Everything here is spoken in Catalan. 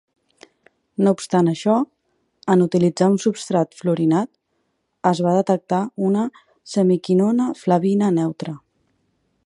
No obstant això, en utilitzar un substrat fluorinat, es va detectar una semiquinona flavina neutra.